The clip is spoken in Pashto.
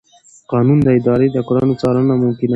قانون د ادارې د کړنو څارنه ممکنوي.